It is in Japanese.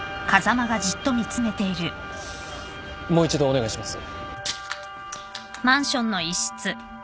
もう一度お願いします。